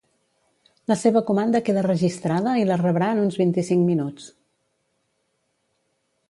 La seva comanda queda registrada i la rebrà en uns vint-i-cinc minuts.